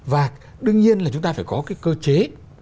và đương nhiên là chúng ta phải có cái cơ chế